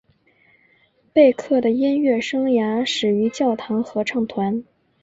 贝克的音乐生涯始于教堂合唱团。